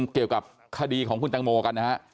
เกี่ยวกับคดีของคุณตังโมกันนะฮะ